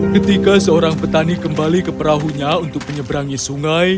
ketika seorang petani kembali ke perahunya untuk menyeberangi sungai